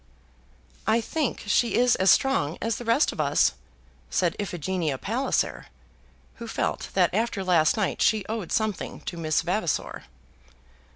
"I think she is as strong as the rest of us," said Iphigenia Palliser, who felt that after last night she owed something to Miss Vavasor.